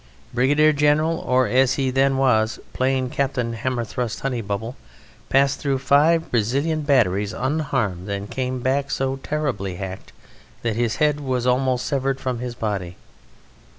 Brigadier General, or, as he then was, plain Captain Hammerthrust Honeybubble, passed through five Brazilian batteries unharmed, and came back so terribly hacked that his head was almost severed from his body.